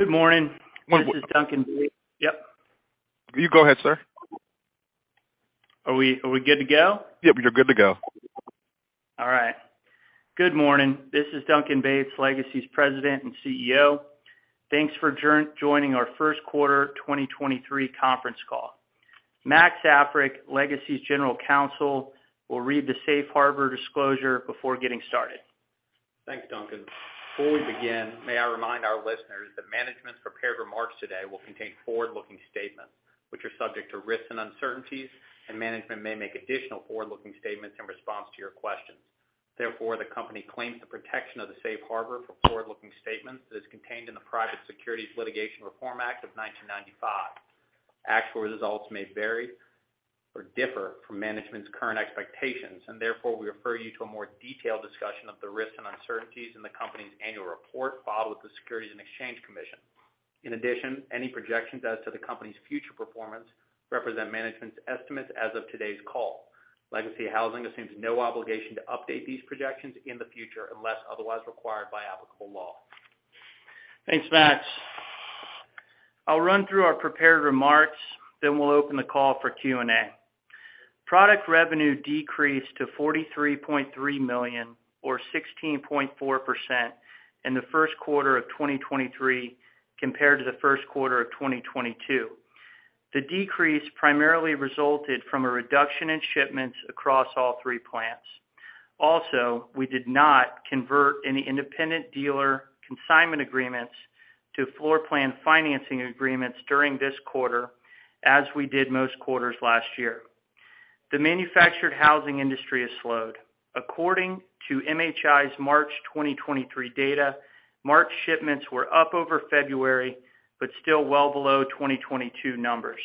All right. Good morning. This is Duncan Bates, Legacy's President and CEO. Thanks for joining our first quarter 2023 conference call. Max Africk, Legacy's General Counsel, will read the safe harbor disclosure before getting started. Thanks, Duncan. Before we begin, may I remind our listeners that management's prepared remarks today will contain forward-looking statements which are subject to risks and uncertainties, and management may make additional forward-looking statements in response to your questions. Therefore, the company claims the protection of the safe harbor for forward-looking statements that is contained in the Private Securities Litigation Reform Act of 1995. Actual results may vary or differ from management's current expectations, and therefore, we refer you to a more detailed discussion of the risks and uncertainties in the company's annual report filed with the Securities and Exchange Commission. In addition, any projections as to the company's future performance represent management's estimates as of today's call. Legacy Housing assumes no obligation to update these projections in the future unless otherwise required by applicable law. Thanks, Max. I'll run through our prepared remarks, then we'll open the call for Q&A. Product revenue decreased to $43.3 million or 16.4% in the first quarter of 2023 compared to the first quarter of 2022. The decrease primarily resulted from a reduction in shipments across all three plants. Also, we did not convert any independent dealer consignment agreements to floorplan financing agreements during this quarter as we did most quarters last year. The manufactured housing industry has slowed. According to MHI's March 2023 data, March shipments were up over February, but still well below 2022 numbers.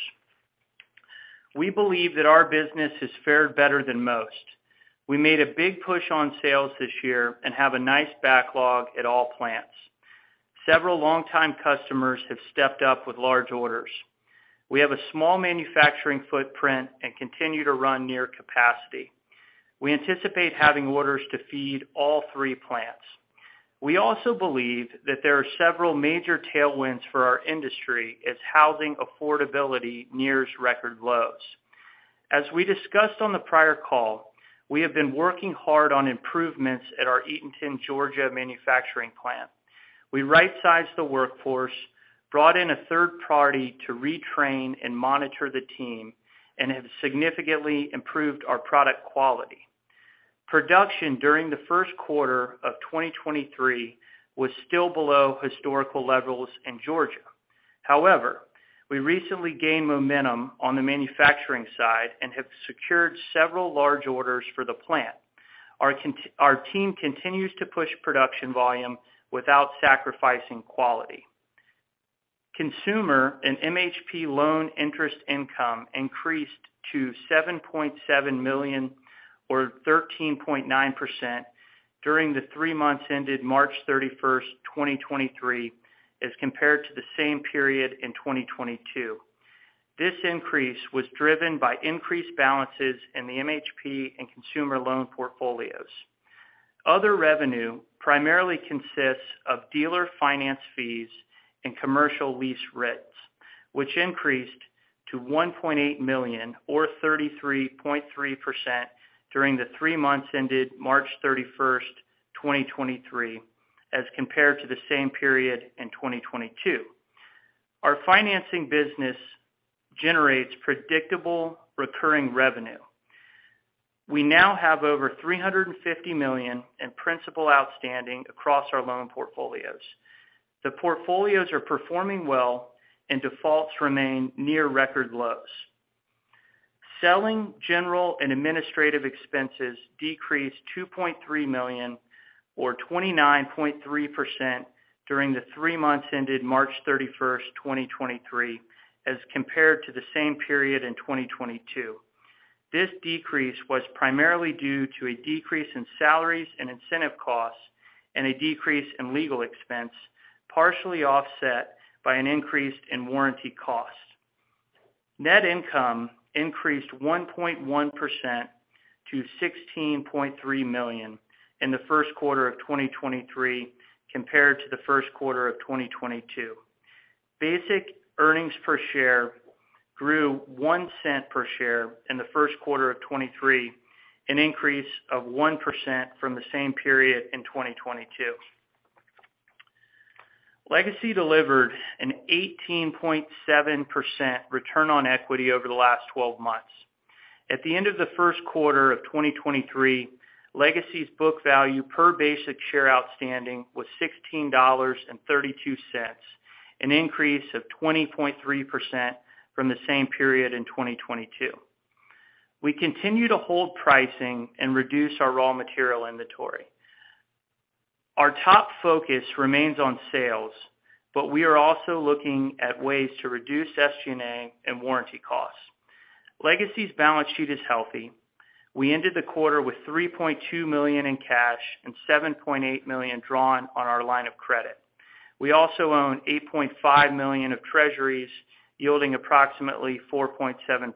We believe that our business has fared better than most. We made a big push on sales this year and have a nice backlog at all plants. Several longtime customers have stepped up with large orders. We have a small manufacturing footprint and continue to run near capacity. We anticipate having orders to feed all three plants. We believe that there are several major tailwinds for our industry as housing affordability nears record lows. As we discussed on the prior call, we have been working hard on improvements at our Eatonton, Georgia, manufacturing plant. We rightsized the workforce, brought in a third party to retrain and monitor the team, and have significantly improved our product quality. Production during the first quarter of 2023 was still below historical levels in Georgia. We recently gained momentum on the manufacturing side and have secured several large orders for the plant. Our team continues to push production volume without sacrificing quality. Consumer and MHP loan interest income increased to $7.7 million or 13.9% during the three months ended March 31, 2023, as compared to the same period in 2022. This increase was driven by increased balances in the MHP and consumer loan portfolios. Other revenue primarily consists of dealer finance fees and commercial lease rents, which increased to $1.8 million or 33.3% during the three months ended March 31, 2023, as compared to the same period in 2022. Our financing business generates predictable recurring revenue. We now have over $350 million in principal outstanding across our loan portfolios. The portfolios are performing well and defaults remain near record lows. Selling general and administrative expenses decreased $2.3 million or 29.3% during the three months ended March 31, 2023, as compared to the same period in 2022. This decrease was primarily due to a decrease in salaries and incentive costs and a decrease in legal expense, partially offset by an increase in warranty costs. Net income increased 1.1% to $16.3 million in the first quarter of 2023 compared to the first quarter of 2022. Basic earnings per share grew $0.01 per share in the first quarter of 2023, an increase of 1% from the same period in 2022. Legacy delivered an 18.7% return on equity over the last 12 months. At the end of the first quarter of 2023, Legacy's book value per basic share outstanding was $16.32, an increase of 20.3% from the same period in 2022. We continue to hold pricing and reduce our raw material inventory. Our top focus remains on sales, we are also looking at ways to reduce SG&A and warranty costs. Legacy's balance sheet is healthy. We ended the quarter with $3.2 million in cash and $7.8 million drawn on our line of credit. We also own $8.5 million of treasuries, yielding approximately 4.7%.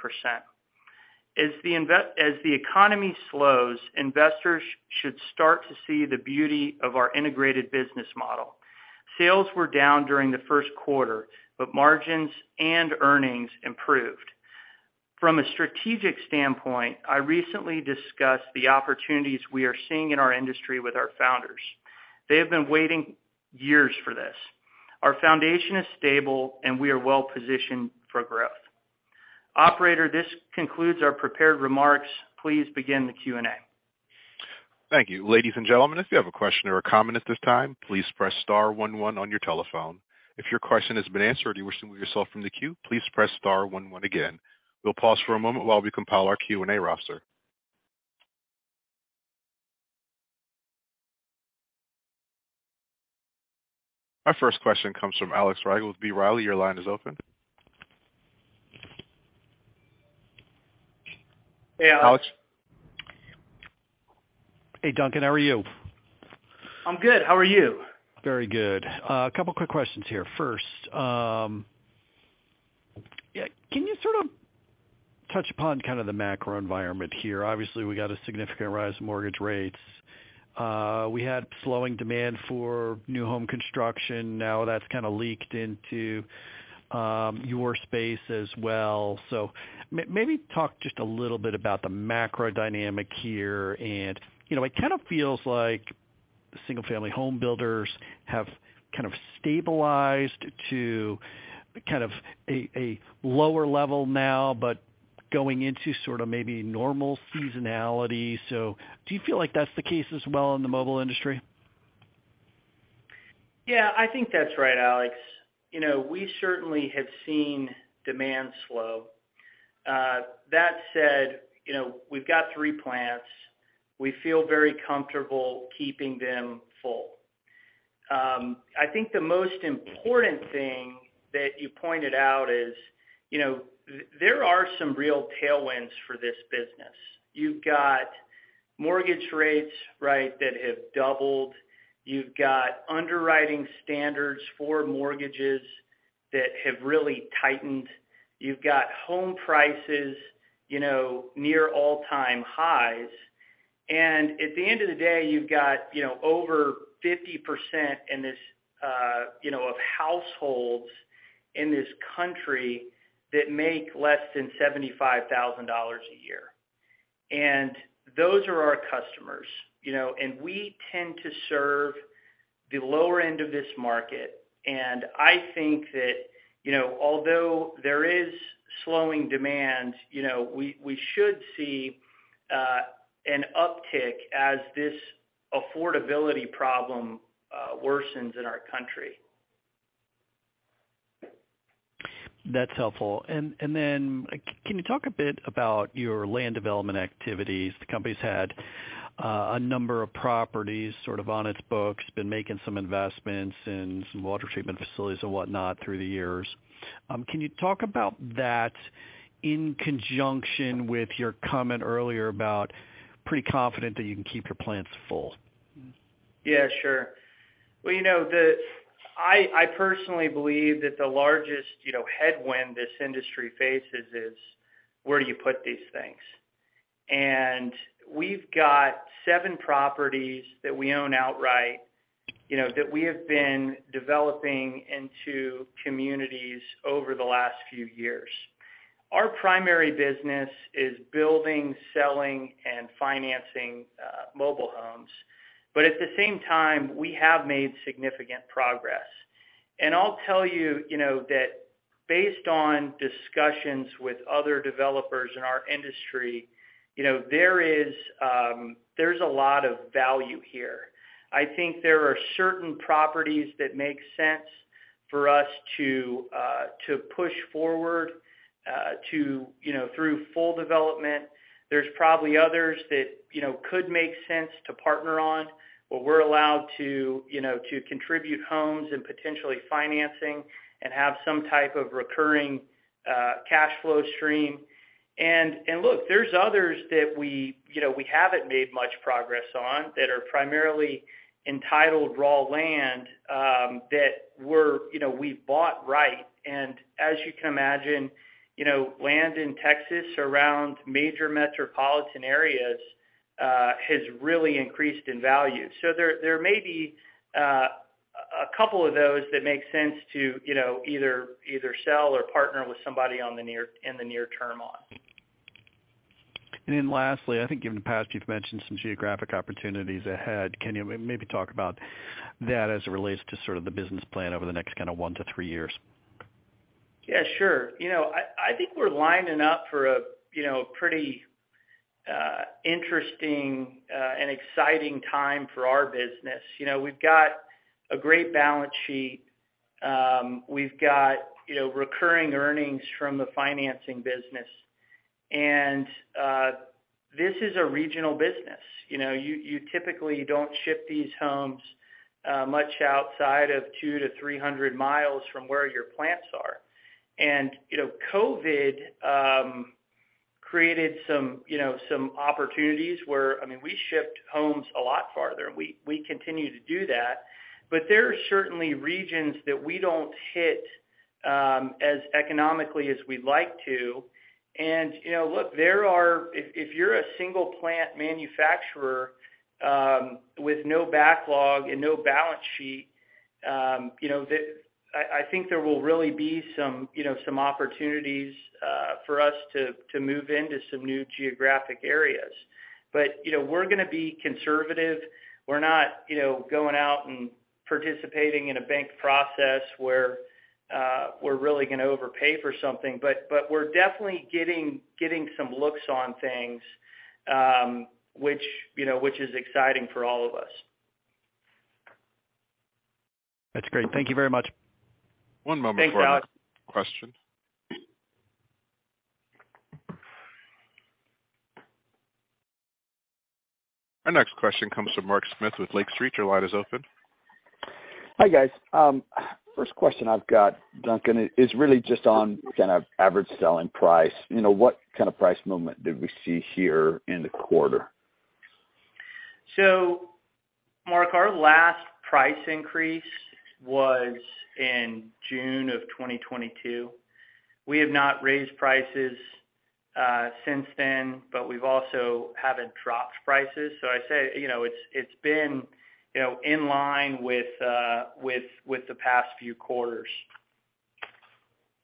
As the economy slows, investors should start to see the beauty of our integrated business model. Sales were down during the first quarter, margins and earnings improved. From a strategic standpoint, I recently discussed the opportunities we are seeing in our industry with our founders. They have been waiting years for this. Our foundation is stable. We are well-positioned for growth. Operator, this concludes our prepared remarks. Please begin the Q&A. Thank you. Ladies and gentlemen, if you have a question or a comment at this time, please press star one one on your telephone. If your question has been answered or you wish to remove yourself from the queue, please press star one one again. We'll pause for a moment while we compile our Q&A roster. Our first question comes from Alex Rygiel with B. Riley. Your line is open. Hey, Alex. Alex? Hey, Duncan. How are you? I'm good. How are you? Very good. A couple quick questions here. First, yeah, can you sort of touch upon kind of the macro environment here? Obviously, we got a significant rise in mortgage rates. We had slowing demand for new home construction. Now that's kinda leaked into your space as well. Maybe talk just a little bit about the macro dynamic here. You know, it kind of feels like single-family home builders have kind of stabilized to kind of a lower level now, but going into sort of maybe normal seasonality. Do you feel like that's the case as well in the mobile industry? Yeah, I think that's right, Alex. You know, we certainly have seen demand slow. That said, you know, we've got three plants. We feel very comfortable keeping them full. I think the most important thing that you pointed out is, you know, there are some real tailwinds for this business. You've got mortgage rates, right, that have doubled. You've got underwriting standards for mortgages that have really tightened. You've got home prices, you know, near all-time highs. At the end of the day, you've got, you know, over 50% in this, you know, of households in this country that make less than $75,000 a year. Those are our customers, you know, and we tend to serve the lower end of this market. I think that, you know, although there is slowing demand, you know, we should see an uptick as this affordability problem worsens in our country. That's helpful. Can you talk a bit about your land development activities? The company's had a number of properties sort of on its books, been making some investments in some water treatment facilities and whatnot through the years. Can you talk about that in conjunction with your comment earlier about pretty confident that you can keep your plants full? Yeah, sure. Well, you know, I personally believe that the largest, you know, headwind this industry faces is, where do you put these things? We've got seven properties that we own outright, you know, that we have been developing into communities over the last few years. Our primary business is building, selling, and financing mobile homes. At the same time, we have made significant progress. I'll tell you know, that based on discussions with other developers in our industry, you know, there is, there's a lot of value here. I think there are certain properties that make sense for us to push forward, to, you know, through full development. There's probably others that, you know, could make sense to partner on, where we're allowed to, you know, to contribute homes and potentially financing and have some type of recurring cash flow stream. Look, there's others that we, you know, we haven't made much progress on that are primarily entitled raw land, that we, you know, we bought right. As you can imagine, you know, land in Texas around major metropolitan areas has really increased in value. There may be a couple of those that make sense to, you know, either sell or partner with somebody in the near term on. Lastly, I think in the past you've mentioned some geographic opportunities ahead. Can you maybe talk about that as it relates to sort of the business plan over the next kind of one to three years? Yeah, sure. You know, I think we're lining up for a, you know, pretty interesting and exciting time for our business. You know, we've got a great balance sheet. We've got, you know, recurring earnings from the financing business. This is a regional business. You know, you typically don't ship these homes much outside of 200-300 miles from where your plants are. You know, COVID created some, you know, some opportunities where, I mean, we shipped homes a lot farther, and we continue to do that. There are certainly regions that we don't hit as economically as we'd like to. You know, look, there are... If you're a single plant manufacturer, with no backlog and no balance sheet, you know, I think there will really be some, you know, some opportunities for us to move into some new geographic areas. You know, we're gonna be conservative. We're not, you know, going out and participating in a bank process where we're really gonna overpay for something. We're definitely getting some looks on things, which, you know, which is exciting for all of us. That's great. Thank you very much. One moment for our next question. Thanks, Duncan Bates. Our next question comes from Mark Smith with Lake Street. Your line is open. Hi, guys. First question I've got, Duncan, is really just on kind of average selling price. You know, what kind of price movement did we see here in the quarter? Mark, our last price increase was in June 2022. We have not raised prices since then, but we've also haven't dropped prices. I'd say, you know, it's been, you know, in line with the past few quarters.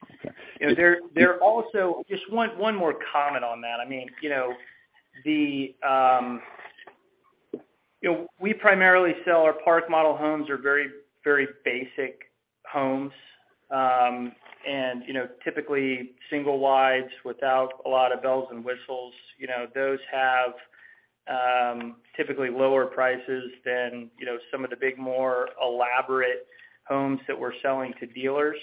Okay. You know, there are also. Just one more comment on that. I mean, you know, we primarily sell our park model homes are very, very basic homes. You know, typically single wides without a lot of bells and whistles. You know, those have, typically lower prices than, you know, some of the big more elaborate homes that we're selling to dealers.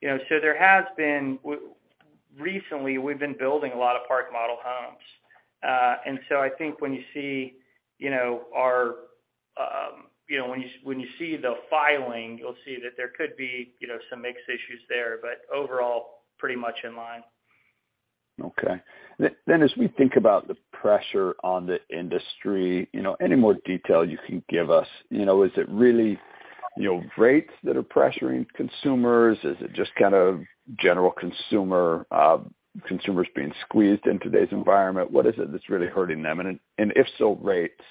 You know, there has been Recently, we've been building a lot of park model homes. I think when you see, you know, when you see the filing, you'll see that there could be, you know, some mix issues there, but overall, pretty much in line. Okay. Then as we think about the pressure on the industry, you know, any more detail you can give us? You know, is it really, you know, rates that are pressuring consumers? Is it just kind of general consumer, consumers being squeezed in today's environment? What is it that's really hurting them? If so, rates,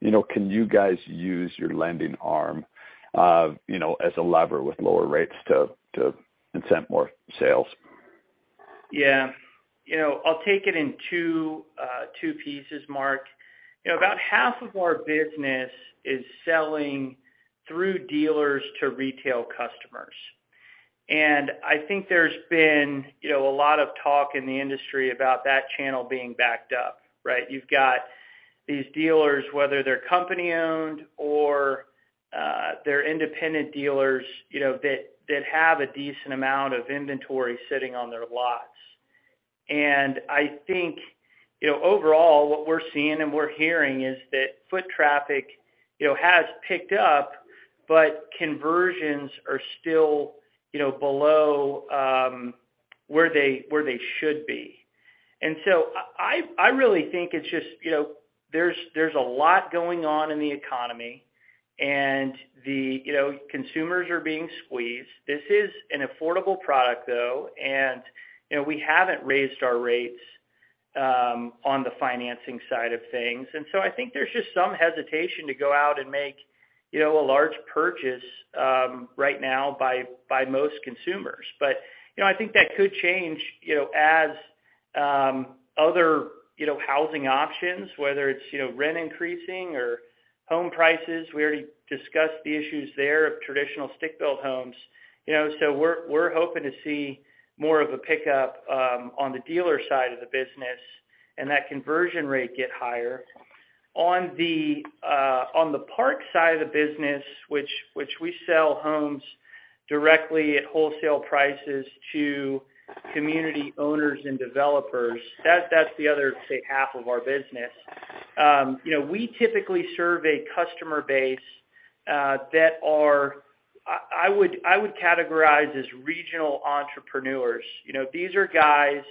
you know, can you guys use your lending arm, you know, as a lever with lower rates to incent more sales? Yeah. You know, I'll take it in two pieces, Mark. You know, about half of our business is selling through dealers to retail customers. I think there's been, you know, a lot of talk in the industry about that channel being backed up, right? You've got these dealers, whether they're company-owned or they're independent dealers, you know, that have a decent amount of inventory sitting on their lots. I think, you know, overall, what we're seeing and we're hearing is that foot traffic, you know, has picked up, but conversions are still, you know, below where they should be. I really think it's just, you know, there's a lot going on in the economy and the consumers are being squeezed. This is an affordable product, though, and, you know, we haven't raised our rates on the financing side of things. I think there's just some hesitation to go out and make, you know, a large purchase right now by most consumers. You know, I think that could change, you know, as other, you know, housing options, whether it's, you know, rent increasing or home prices. We already discussed the issues there of traditional stick-built homes. We're hoping to see more of a pickup on the dealer side of the business and that conversion rate get higher. On the park side of the business, which we sell homes directly at wholesale prices to community owners and developers, that's the other, say, half of our business. You know, we typically serve a customer base that I would categorize as regional entrepreneurs. You know, these are guys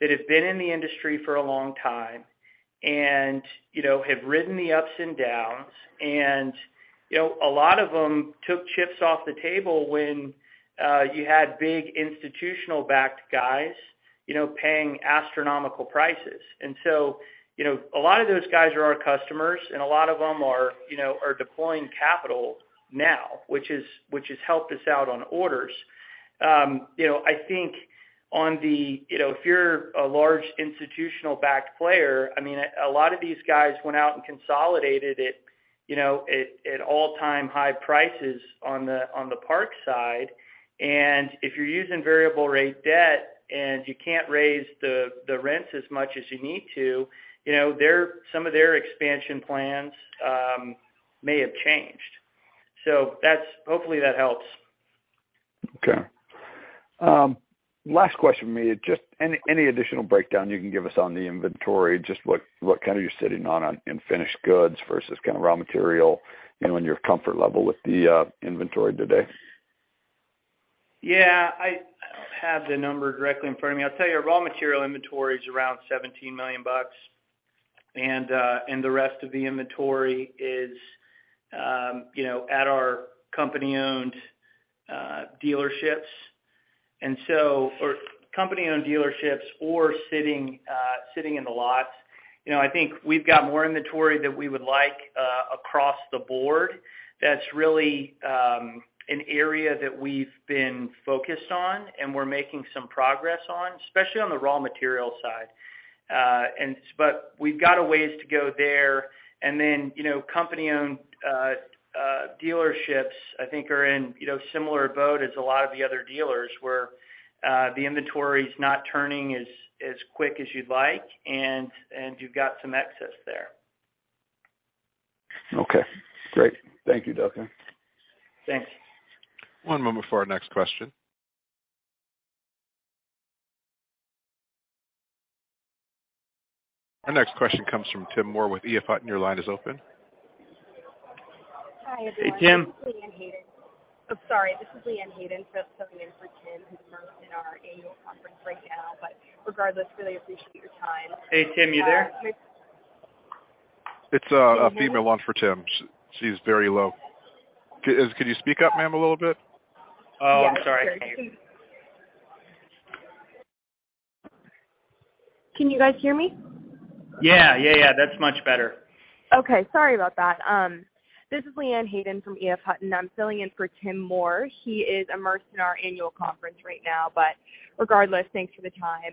that have been in the industry for a long time and, you know, have ridden the ups and downs. You know, a lot of them took chips off the table when you had big institutional-backed guys, you know, paying astronomical prices. You know, a lot of those guys are our customers, and a lot of them are, you know, are deploying capital now, which has, which has helped us out on orders. You know, I think on the, you know, if you're a large institutional-backed player, I mean, a lot of these guys went out and consolidated it, you know, at all-time high prices on the park side. If you're using variable rate debt and you can't raise the rents as much as you need to, you know, some of their expansion plans may have changed. That's hopefully that helps. Last question for me is just any additional breakdown you can give us on the inventory, just what kind of you're sitting on in finished goods versus kind of raw material and when your comfort level with the inventory today? Yeah. I don't have the number directly in front of me. I'll tell you, our raw material inventory is around $17 million. The rest of the inventory is, you know, at our company-owned dealerships. Or company-owned dealerships or sitting in the lots. You know, I think we've got more inventory that we would like across the board. That's really an area that we've been focused on and we're making some progress on, especially on the raw material side. We've got a ways to go there. You know, company-owned dealerships, I think are in, you know, similar boat as a lot of the other dealers, where the inventory is not turning as quick as you'd like, and you've got some excess there. Okay, great. Thank you, Duncan. Thanks. One moment for our next question. Our next question comes from Tim Moore with EF Hutton. Your line is open. Hey, Tim. Hi, everyone. This is Leanne Hayden. I'm sorry, this is Leanne Hayden filling in for Tim, who's immersed in our annual conference right now. Regardless, really appreciate your time. Hey, Tim, you there? It's a female line for Tim. She's very low. Could you speak up, ma'am, a little bit? Oh, I'm sorry. Yeah, sure. Can you guys hear me? Yeah, yeah. That's much better. Okay, sorry about that. This is Leanne Hayden from EF Hutton. I'm filling in for Tim Moore. He is immersed in our annual conference right now. Regardless, thanks for the time.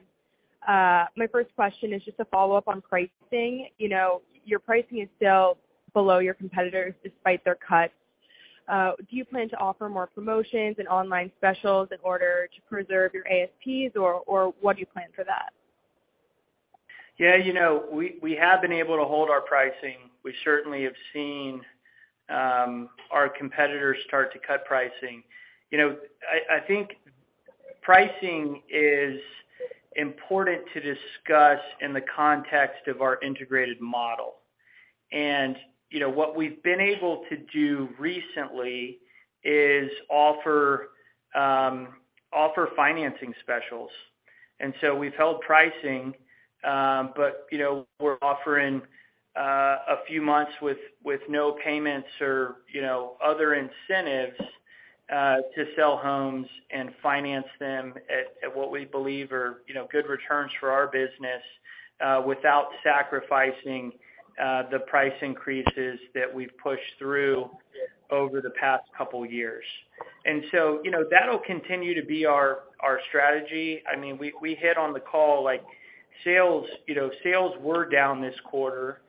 My first question is just a follow-up on pricing. You know, your pricing is still below your competitors despite their cuts. Do you plan to offer more promotions and online specials in order to preserve your ASPs, or what do you plan for that? You know, we have been able to hold our pricing. We certainly have seen our competitors start to cut pricing. You know, I think pricing is important to discuss in the context of our integrated model. You know, what we've been able to do recently is offer financing specials. We've held pricing, but, you know, we're offering a few months with no payments or, you know, other incentives to sell homes and finance them at what we believe are, you know, good returns for our business without sacrificing the price increases that we've pushed through over the past couple years. You know, that'll continue to be our strategy. I mean, we hit on the call like sales, you know, sales were down this quarter.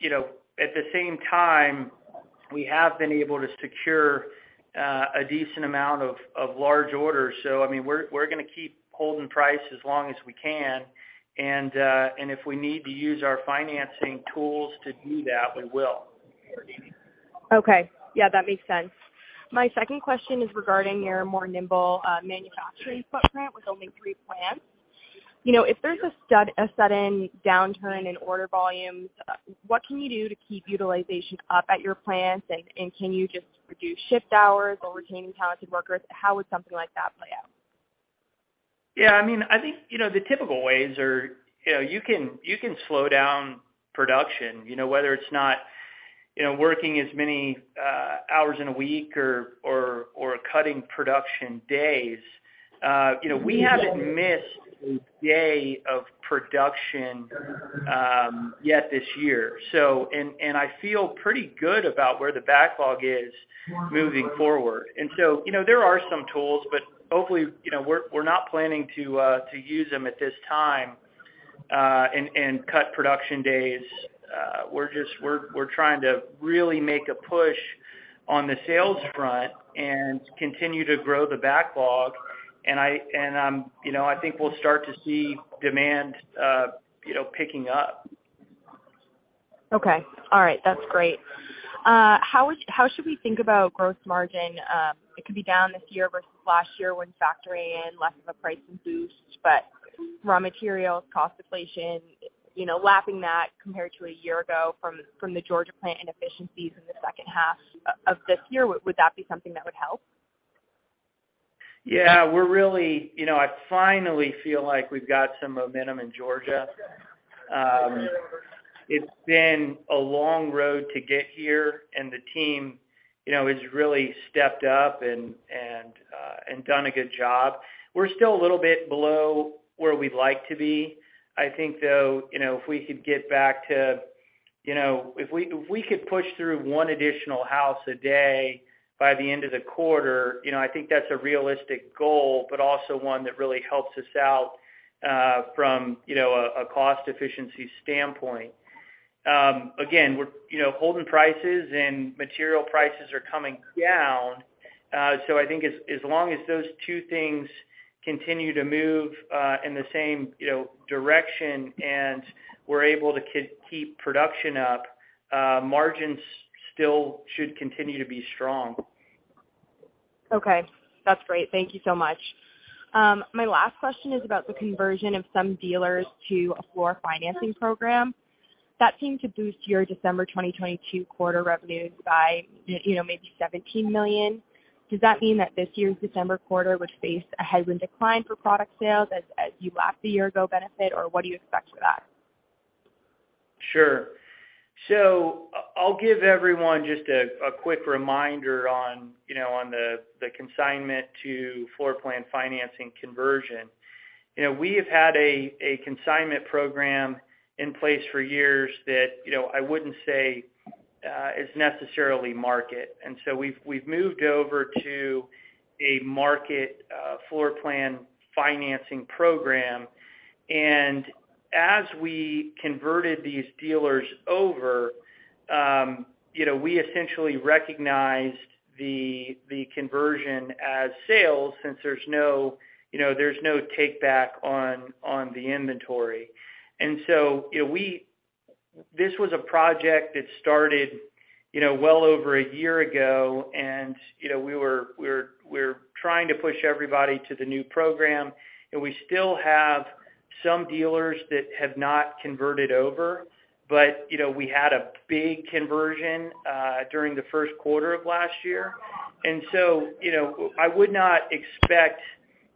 You know, at the same time, we have been able to secure a decent amount of large orders. I mean, we're gonna keep holding price as long as we can, and if we need to use our financing tools to do that, we will. Okay. Yeah, that makes sense. My second question is regarding your more nimble, manufacturing footprint with only three plants. You know, if there's a sudden downturn in order volumes, what can you do to keep utilization up at your plants? Can you just reduce shift hours or retaining talented workers? How would something like that play out? Yeah, I mean, I think, you know, the typical ways are, you know, you can, you can slow down production, you know, whether it's not, you know, working as many hours in a week or cutting production days. You know, we haven't missed a day of production yet this year, so and I feel pretty good about where the backlog is moving forward. You know, there are some tools, but hopefully, you know, we're not planning to use them at this time, and cut production days. We're trying to really make a push on the sales front and continue to grow the backlog. You know, I think we'll start to see demand, you know, picking up. Okay. All right. That's great. How should we think about gross margin? It could be down this year versus last year when factoring in less of a pricing boost, but raw materials, cost inflation, you know, lapping that compared to a year ago from the Georgia plant and efficiencies in the second half of this year. Would that be something that would help? Yeah, we're really, you know, I finally feel like we've got some momentum in Georgia. It's been a long road to get here, and the team, you know, has really stepped up and done a good job. We're still a little bit below where we'd like to be. I think, though, you know, if we could get back to, you know, if we could push through one additional house a day by the end of the quarter, you know, I think that's a realistic goal, but also one that really helps us out from, you know, a cost efficiency standpoint. Again, we're, you know, holding prices and material prices are coming down. I think as long as those two things continue to move, in the same, you know, direction and we're able to keep production up, margins still should continue to be strong. Okay. That's great. Thank you so much. My last question is about the conversion of some dealers to a floor plan financing program. That seemed to boost your December 2022 quarter revenues by, you know, maybe $17 million. Does that mean that this year's December quarter would face a headwind decline for product sales as you lack the year ago benefit? Or what do you expect for that? Sure. I'll give everyone just a quick reminder on the consignment to floor plan financing conversion. We have had a consignment program in place for years that I wouldn't say is necessarily market. We've moved over to a market floor plan financing program. As we converted these dealers over, we essentially recognized the conversion as sales since there's no take back on the inventory. This was a project that started well over a year ago. We're trying to push everybody to the new program. We still have some dealers that have not converted over. We had a big conversion during the first quarter of last year. You know, I would not expect.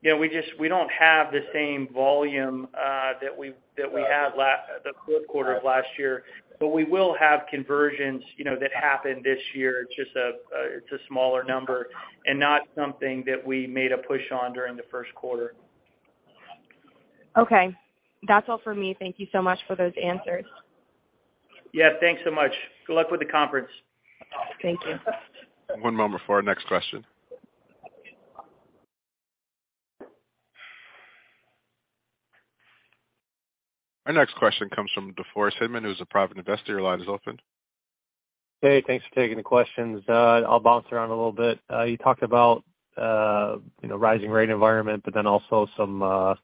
You know, we don't have the same volume that we had the fourth quarter of last year, but we will have conversions, you know, that happen this year. It's just a smaller number and not something that we made a push on during the first quarter. Okay. That's all for me. Thank you so much for those answers. Yeah, thanks so much. Good luck with the conference. Thank you. One moment for our next question. Our next question comes from DeForest Hickman, who's a private investor. Your line is open. Hey, thanks for taking the questions. I'll bounce around a little bit. You talked about, you know, rising rate environment, but then also some,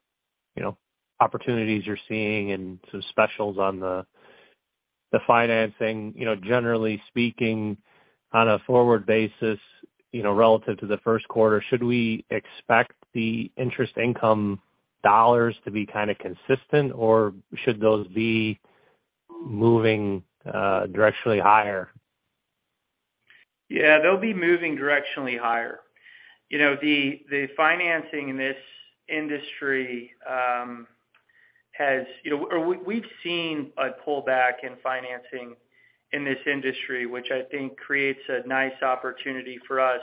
you know, opportunities you're seeing and some specials on the financing. You know, generally speaking, on a forward basis, you know, relative to the first quarter, should we expect the interest income dollars to be kind of consistent, or should those be moving, directionally higher? Yeah, they'll be moving directionally higher. You know, the financing in this industry, we've seen a pullback in financing in this industry, which I think creates a nice opportunity for us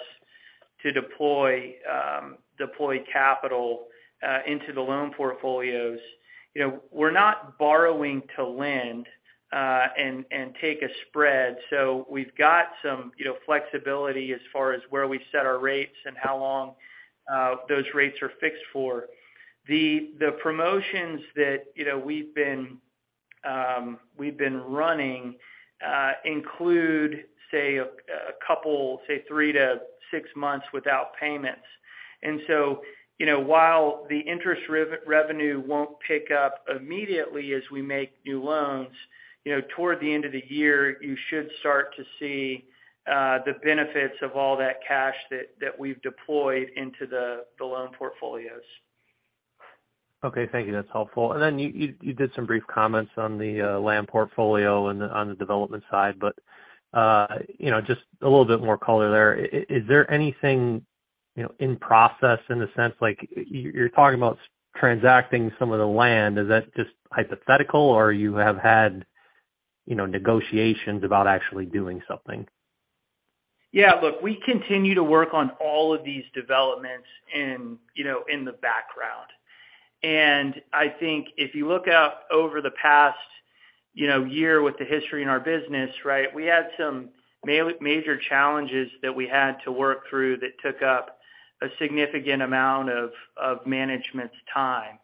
to deploy capital into the loan portfolios. You know, we're not borrowing to lend and take a spread. We've got some, you know, flexibility as far as where we set our rates and how long those rates are fixed for. The promotions that, you know, we've been running, include, say, a couple, say, three to six months without payments. you know, while the interest revenue won't pick up immediately as we make new loans, you know, toward the end of the year, you should start to see the benefits of all that cash that we've deployed into the loan portfolios. Okay, thank you. That's helpful. Then you did some brief comments on the land portfolio and on the development side. You know, just a little bit more color there. Is there anything, you know, in process in the sense like you're talking about transacting some of the land, is that just hypothetical or you have had, you know, negotiations about actually doing something? Yeah. Look, we continue to work on all of these developments in, you know, in the background. I think if you look out over the past, you know, year with the history in our business, right, we had some major challenges that we had to work through that took up a significant amount of management's time.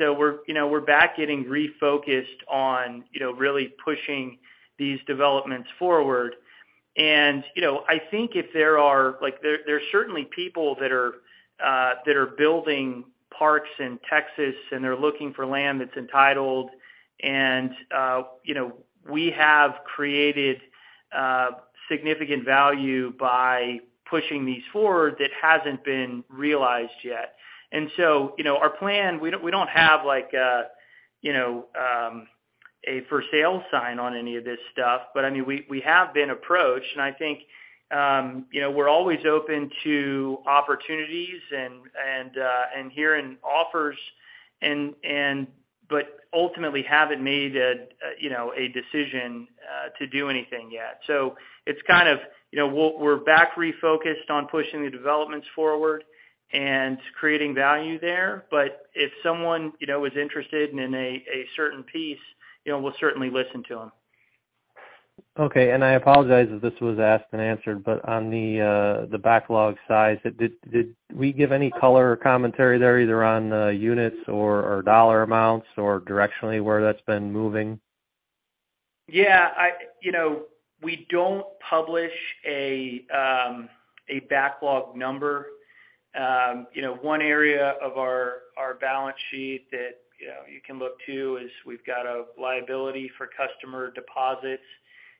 We're, you know, we're back getting refocused on, you know, really pushing these developments forward. You know, I think like, there's certainly people that are building parks in Texas, and they're looking for land that's entitled. You know, we have created significant value by pushing these forward that hasn't been realized yet. You know, our plan, we don't, we don't have like a, you know, a for sale sign on any of this stuff. I mean, we have been approached, and I think, you know, we're always open to opportunities and hearing offers, but ultimately haven't made a, you know, a decision to do anything yet. It's kind of, you know, we're back refocused on pushing the developments forward and creating value there. If someone, you know, is interested in a certain piece, you know, we'll certainly listen to them. Okay. I apologize if this was asked and answered, but on the backlog size, did we give any color or commentary there, either on the units or dollar amounts or directionally where that's been moving? Yeah, you know, we don't publish a backlog number. You know, one area of our balance sheet that, you know, you can look to is we've got a liability for customer deposits.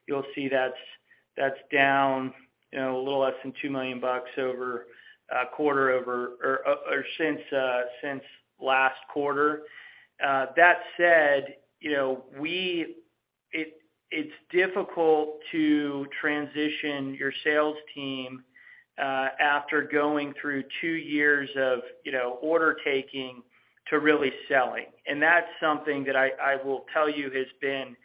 You'll see that's down, you know, a little less than $2 million over quarter over or since last quarter. That said, you know, it's difficult to transition your sales team after going through 2 years of, you know, order taking to really selling. That's something that I will tell you has been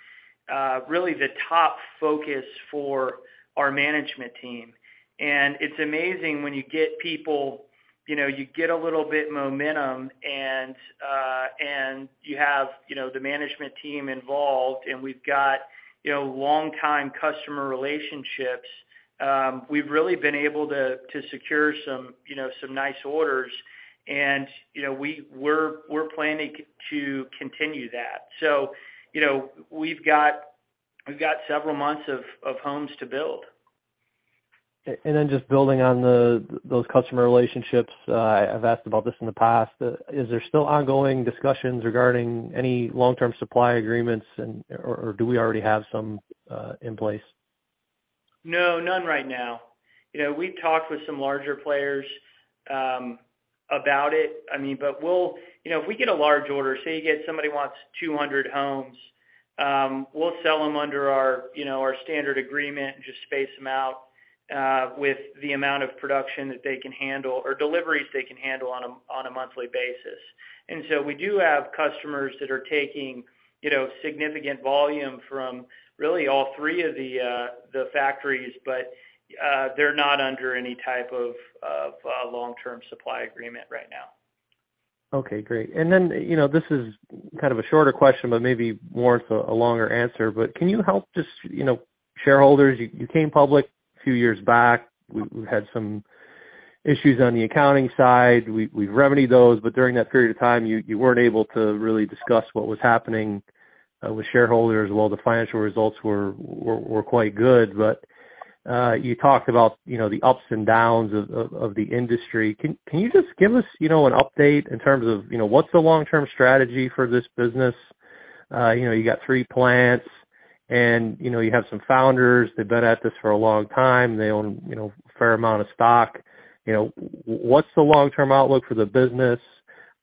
really the top focus for our management team. It's amazing when you get people, you know, you get a little bit momentum and you have, you know, the management team involved, and we've got, you know, longtime customer relationships, we've really been able to secure some, you know, some nice orders. You know, we're planning to continue that. You know, we've got, we've got several months of homes to build. Just building on those customer relationships, I've asked about this in the past. Is there still ongoing discussions regarding any long-term supply agreements or do we already have some in place? No, none right now. You know, we've talked with some larger players about it. I mean, you know, if we get a large order, say you get somebody wants 200 homes, we'll sell them under our, you know, our standard agreement and just space them out with the amount of production that they can handle or deliveries they can handle on a monthly basis. We do have customers that are taking, you know, significant volume from really all three of the factories, but they're not under any type of long-term supply agreement right now. Okay, great. You know, this is kind of a shorter question, but maybe warrants a longer answer. Can you help just, you know, shareholders, you came public a few years back. We had some issues on the accounting side. We've remedied those, but during that period of time, you weren't able to really discuss what was happening with shareholders, while the financial results were quite good. You talked about, you know, the ups and downs of the industry. Can you just give us, you know, an update in terms of, you know, what's the long-term strategy for this business? You know, you got three plants and, you know, you have some founders, they've been at this for a long time. They own, you know, a fair amount of stock. You know, what's the long-term outlook for the business?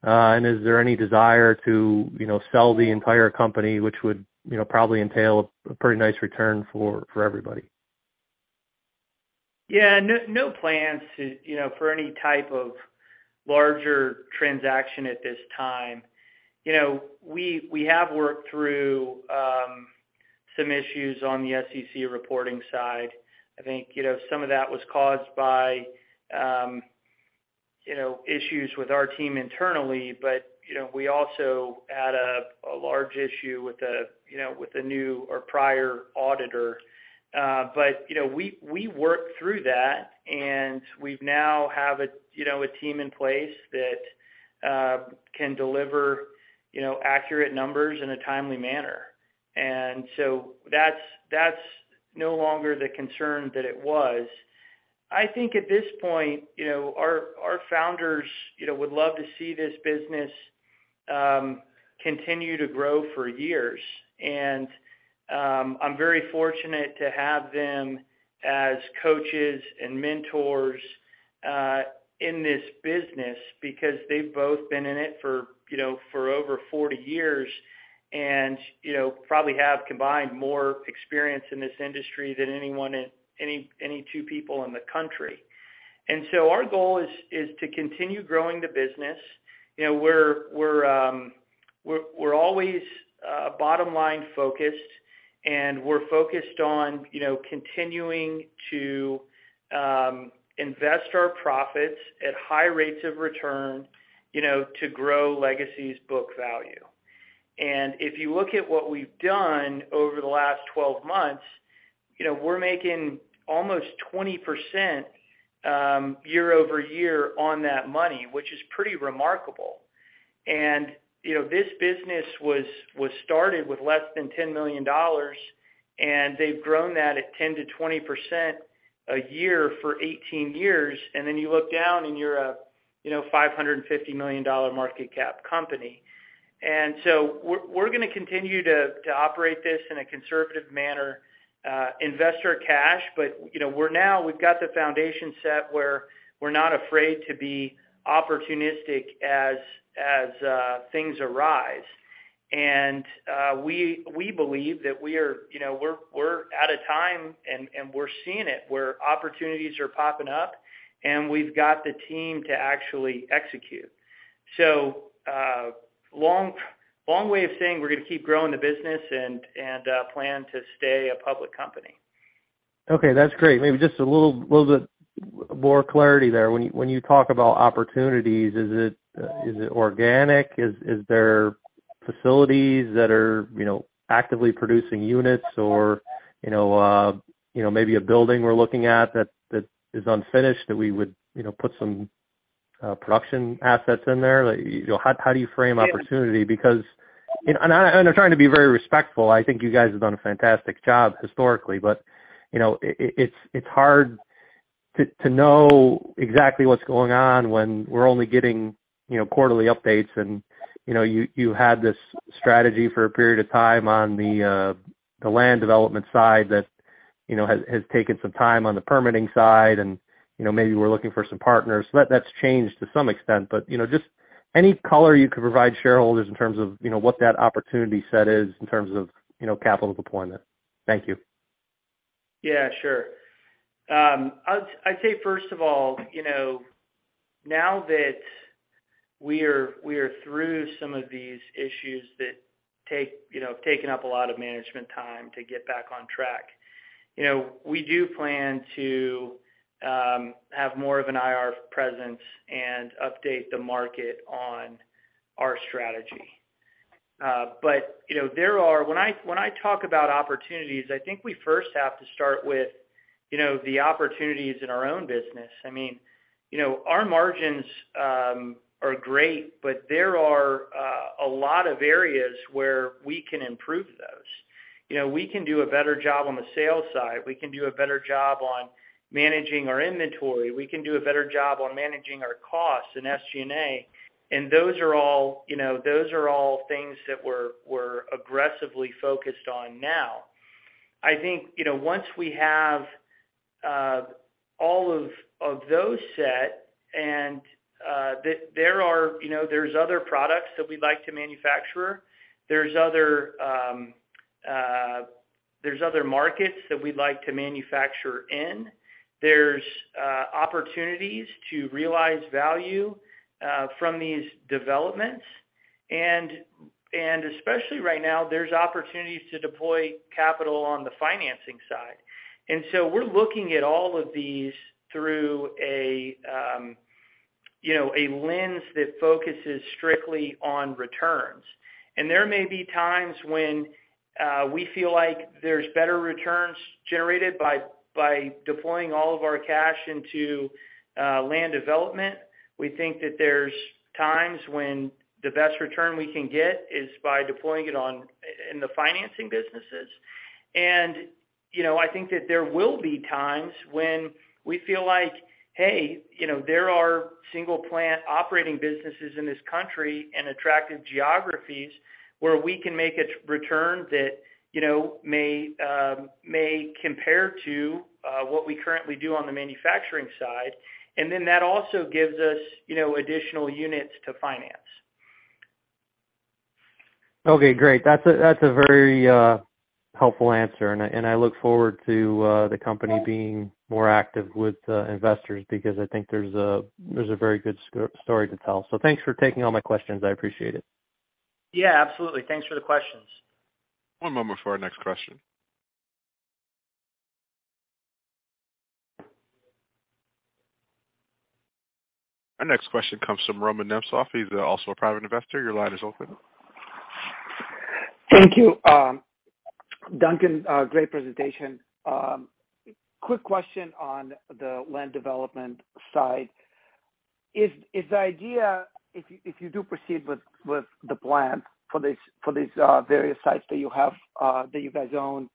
Is there any desire to, you know, sell the entire company, which would, you know, probably entail a pretty nice return for everybody? Yeah. No, no plans to, you know, for any type of larger transaction at this time. You know, we have worked through some issues on the SEC reporting side. I think, you know, some of that was caused by, you know, issues with our team internally, but, you know, we also had a large issue with a new or prior auditor. But, you know, we worked through that, and we've now have a team in place that can deliver, you know, accurate numbers in a timely manner. That's no longer the concern that it was. I think at this point, you know, our founders, you know, would love to see this business continue to grow for years. I'm very fortunate to have them as coaches and mentors in this business because they've both been in it for, you know, for over 40 years and, you know, probably have combined more experience in this industry than any two people in the country. Our goal is to continue growing the business. You know, we're always bottom line focused, and we're focused on, you know, continuing to invest our profits at high rates of return, you know, to grow Legacy's book value. If you look at what we've done over the last 12 months, you know, we're making almost 20% year-over-year on that money, which is pretty remarkable. You know, this business was started with less than $10 million, they've grown that at 10%-20% a year for 18 years. Then you look down and you're a, you know, $550 million market cap company. We're gonna continue to operate this in a conservative manner, invest our cash. You know, we're now, we've got the foundation set where we're not afraid to be opportunistic as things arise. We believe that we are, you know, we're at a time, and we're seeing it, where opportunities are popping up, and we've got the team to actually execute. Long way of saying we're gonna keep growing the business and plan to stay a public company. Okay, that's great. Maybe just a little bit more clarity there. When you talk about opportunities, is it organic? Is there facilities that are, you know, actively producing units or, you know, maybe a building we're looking at that is unfinished that we would, you know, put some production assets in there? Like, you know, how do you frame opportunity? Because, and I'm trying to be very respectful. I think you guys have done a fantastic job historically, but, you know, it's hard to know exactly what's going on when we're only getting, you know, quarterly updates. You know, you had this strategy for a period of time on the land development side that, you know, has taken some time on the permitting side and, you know, maybe we're looking for some partners. That's changed to some extent. You know, just any color you could provide shareholders in terms of, you know, what that opportunity set is in terms of, you know, capital deployment. Thank you. Yeah, sure. I'd say first of all, you know, now that we are through some of these issues that take, you know, have taken up a lot of management time to get back on track. You know, we do plan to have more of an IR presence and update the market on our strategy. You know, there are. When I talk about opportunities, I think we first have to start with, you know, the opportunities in our own business. I mean, you know, our margins are great, but there are a lot of areas where we can improve those. You know, we can do a better job on the sales side. We can do a better job on managing our inventory. We can do a better job on managing our costs and SG&A. Those are all, you know, those are all things that we're aggressively focused on now. I think, you know, once we have all of those set and there are, you know, there's other products that we'd like to manufacture. There's other markets that we'd like to manufacture in. There's opportunities to realize value from these developments. Especially right now, there's opportunities to deploy capital on the financing side. We're looking at all of these through a, you know, a lens that focuses strictly on returns. There may be times when we feel like there's better returns generated by deploying all of our cash into land development. We think that there's times when the best return we can get is by deploying it in the financing businesses. You know, I think that there will be times when we feel like, hey, you know, there are single plant operating businesses in this country and attractive geographies where we can make a return that, you know, may compare to what we currently do on the manufacturing side. Then that also gives us, you know, additional units to finance. Okay, great. That's a very helpful answer. I look forward to the company being more active with investors because I think there's a very good story to tell. Thanks for taking all my questions. I appreciate it. Yeah, absolutely. Thanks for the questions. One moment for our next question. Our next question comes from Roman Nemtsov. He's also a private investor. Your line is open. Thank you. Duncan, great presentation. Quick question on the land development side. Is the idea if you do proceed with the plan for these various sites that you have that you guys own,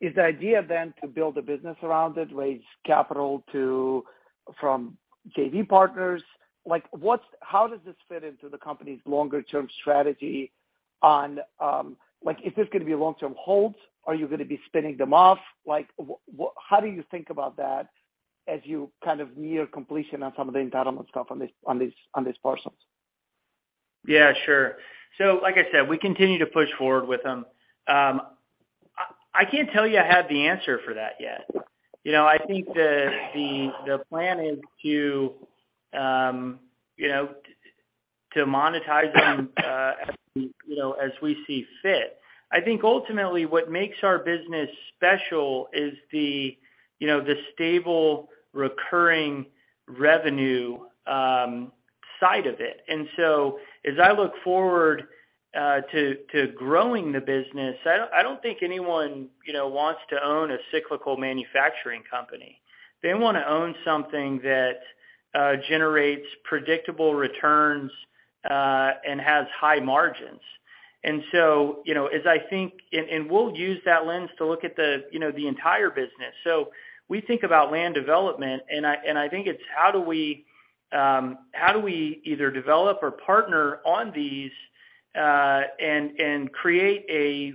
is the idea then to build a business around it, raise capital to, from JV partners? How does this fit into the company's longer term strategy on, like is this gonna be a long-term hold? Are you gonna be spinning them off? Like, how do you think about that as you kind of near completion on some of the entitlements stuff on these parcels? Yeah, sure. Like I said, we continue to push forward with them. I can't tell you I have the answer for that yet. You know, I think the plan is to, you know, to monetize them, you know, as we see fit. I think ultimately what makes our business special is the, you know, the stable recurring revenue side of it. As I look forward to growing the business, I don't think anyone, you know, wants to own a cyclical manufacturing company. They wanna own something that generates predictable returns and has high margins. You know, as I think... We'll use that lens to look at the, you know, the entire business. We think about land development, and I think it's how do we, how do we either develop or partner on these, and create a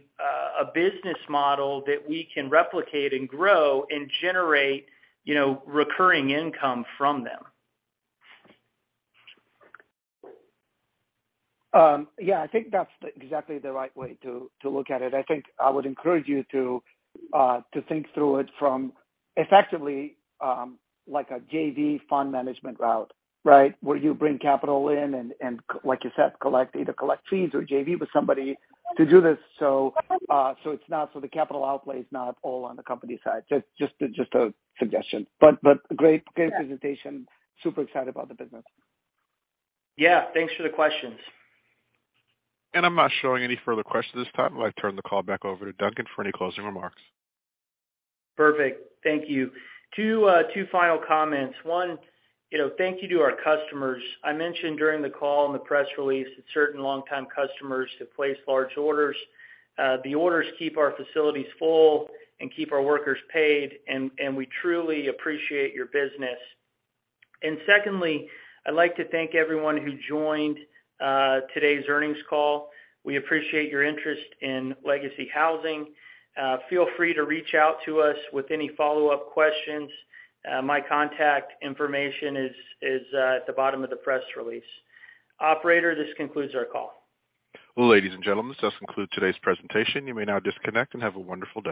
business model that we can replicate and grow and generate, you know, recurring income from them? Yeah, I think that's the exactly the right way to look at it. I think I would encourage you to think through it from effectively like a JV fund management route, right? Where you bring capital in and like you said, collect, either collect fees or JV with somebody to do this, so the capital outlay is not all on the company side. Just a suggestion. Great presentation. Super excited about the business. Yeah. Thanks for the questions. I'm not showing any further questions at this time. I'd like to turn the call back over to Duncan for any closing remarks. Perfect. Thank you. two final comments. One, you know, thank you to our customers. I mentioned during the call in the press release that certain longtime customers have placed large orders. The orders keep our facilities full and keep our workers paid, and we truly appreciate your business. Secondly, I'd like to thank everyone who joined today's earnings call. We appreciate your interest in Legacy Housing. Feel free to reach out to us with any follow-up questions. My contact information is at the bottom of the press release. Operator, this concludes our call. Ladies and gentlemen, this does conclude today's presentation. You may now disconnect and have a wonderful day.